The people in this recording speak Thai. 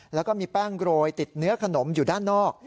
แล้วก็มีแป้งโรยติดเนื้อขนมอยู่ด้านนอก